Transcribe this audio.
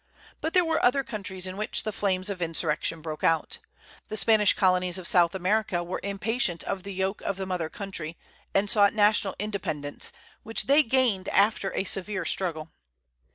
But there were other countries in which the flames of insurrection broke out. The Spanish colonies of South America were impatient of the yoke of the mother country, and sought national independence, which they gained after a severe struggle.